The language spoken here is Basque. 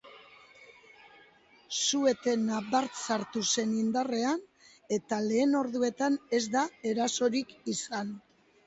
Su-etena bart sartu zen indarrean, eta lehen orduetan ez da erasorik izan.